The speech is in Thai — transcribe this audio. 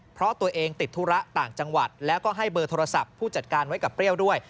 เพราะตัวเองติดธุระต่างจังหวัดแล้วก็ให้เบอร์โทรศัพท์ผู้จัดการไว้กับเปรี้ยวด้วย